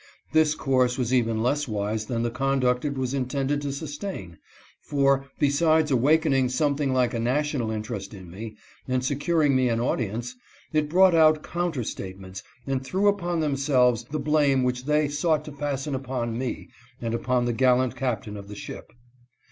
This course was even less wise than the conduct it was intended to sustain, for, besides awakening some thing like a national interest in me, and securing me an audience, it brought out counter statements and threw upon themselves the blame which they had sought to fasten upon me and upon the gallant captain of the ship.